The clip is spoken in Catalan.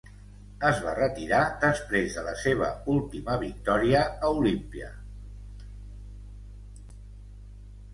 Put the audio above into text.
Es va retirar després de la seva última victòria a Olympia.